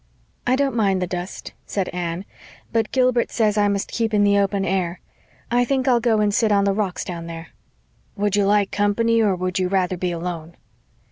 "I don't mind the dust," said Anne, "but Gilbert says I must keep in the open air. I think I'll go and sit on the rocks down there." "Would you like company or would you rather be alone?"